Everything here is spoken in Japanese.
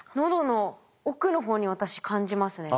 喉の奥の方に私感じますね。